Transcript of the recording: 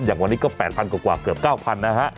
อย่างวันนี้ก็๘๐๐กว่าเกือบ๙๐๐นะฮะ